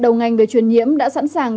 đầu ngành về truyền nhiễm đã sẵn sàng